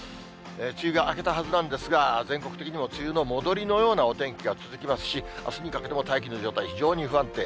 梅雨が明けたはずなんですが、全国的にも梅雨の戻りのようなお天気が続きますし、あすにかけても大気の状態、非常に不安定。